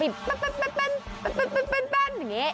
แบบนี้